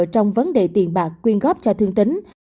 trong vấn đề tiền bạc quyên góp cho thương tính